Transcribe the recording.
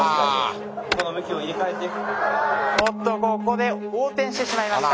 ここで横転してしまいました。